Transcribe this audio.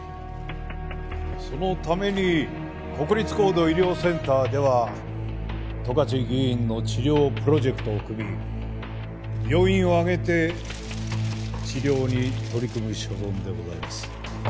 そのために国立高度医療センターでは十勝議員の治療プロジェクトを組み病院を挙げて治療に取り組む所存でございます。